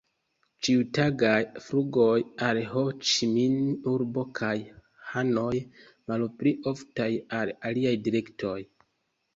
Ĉiutagaj flugoj al Ho-Ĉi-Min-urbo kaj Hanojo, malpli oftaj al aliaj direktoj.